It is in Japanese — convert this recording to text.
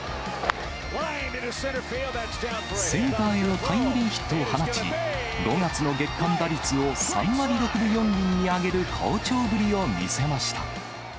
センターへのタイムリーヒットを放ち、５月の月間打率を３割６分４厘に上げる好調ぶりを見せました。